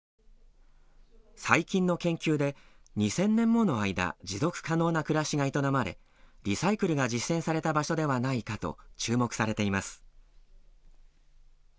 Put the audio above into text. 最近の研究で２０００年もの間、持続可能な暮らしが営まれリサイクルが実践された場所ではないかと注目されています。